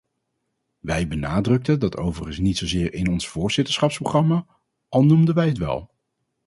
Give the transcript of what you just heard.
Wij benadrukten dat overigens niet zozeer in ons voorzitterschapsprogramma, al noemden wij het wel.